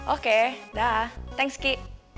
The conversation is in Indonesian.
oke daaah thanks ki